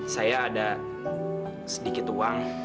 saya ada sedikit uang